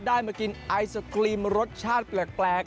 มากินไอศครีมรสชาติแปลก